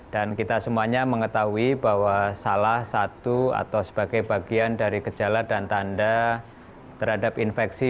dan kita semuanya mengetahui bahwa salah satu atau sebagai bagian dari kejala dan tanda terhadap infeksi